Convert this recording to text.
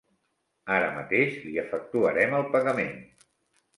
Ara mateix li efectuarem el pagament.